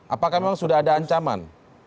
apakah memang sudah ada ancaman